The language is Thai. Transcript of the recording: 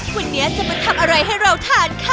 วันนี้จะมาทำอะไรให้เราทานค่ะ